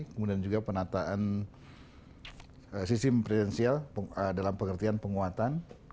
kemudian juga penataan sistem presidensial dalam pengertian penguatan